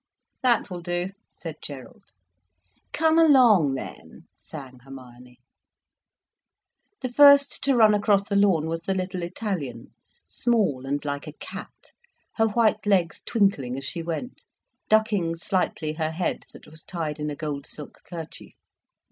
"That will do," said Gerald. "Come along then," sang Hermione. The first to run across the lawn was the little Italian, small and like a cat, her white legs twinkling as she went, ducking slightly her head, that was tied in a gold silk kerchief.